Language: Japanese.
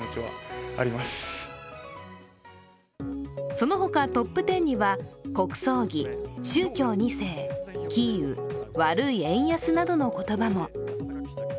そのほかトップ１０には国葬儀、宗教２世、キーウ、悪い円安などの言葉も。